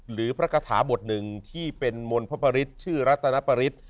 หรือพระกฐาบทหนึ่งที่เป็นมนต์พระปริศชื่อรัตนปริศ